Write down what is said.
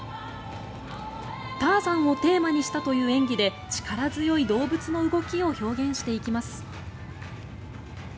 ターザンをテーマにしたという演技で力強い動物の動きを表現していきます。